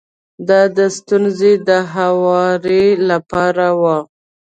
دا د ستونزې د هواري لپاره و.